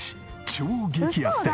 超激安店！